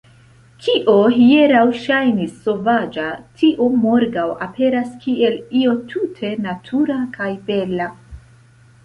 Kio hieraŭ ŝajnis sovaĝa, tio morgaŭ aperas kiel io tute natura kaj bela.